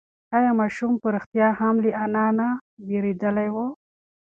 ایا ماشوم په رښتیا هم له انا نه وېرېدلی و؟